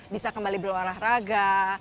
bisa kembali berolahraga